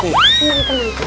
tenang tenang tenang